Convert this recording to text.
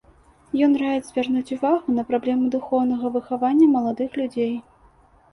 Ён раіць звярнуць увагу на праблему духоўнага выхавання маладых людзей.